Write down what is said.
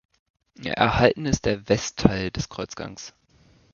Erhalten ist der Westteil des Kreuzgangs.